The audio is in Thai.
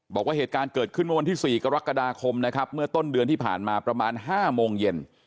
บอกว่าเหตุการณ์เกิดขึ้นเมื่อวันที่๔กรกฎาคมนะครับเมื่อต้นเดือนที่ผ่านมาประมาณ๕โมงเย็น